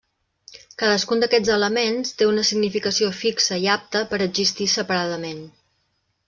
Cadascun d'aquests elements té una significació fixa i apta per existir separadament.